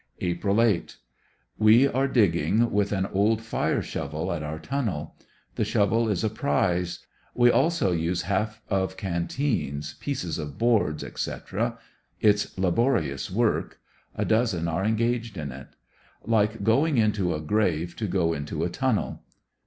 April 8. — We are digging with an old fire shovel at our tunnel. The shovel is a prize; we also use half of canteens, pieces of boards, ifec. Its laborious work. A dozen are engaged m it. Like going into a grave to go into a tunnel.